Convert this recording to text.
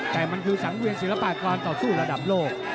แต่มันคือสังเวียนศิลปะความต่อสู้ระดับโลก